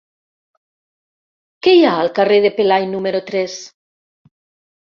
Què hi ha al carrer de Pelai número tres?